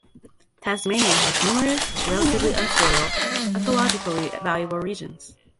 Tasmania has numerous relatively unspoiled, ecologically valuable regions.